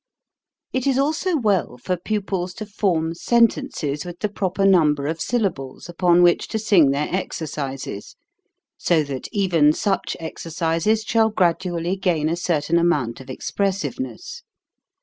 It is also well for pupils to form sentences with the proper number of syllables upon which to sing their exercises, so that even such exercises shall gradually gain a certain amount of expressiveness.